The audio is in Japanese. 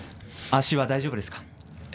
足は大丈夫ですか？